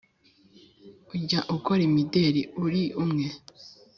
ujya ukora imideli uri umwe?